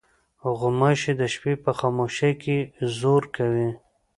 غوماشې د شپې په خاموشۍ کې زور کوي.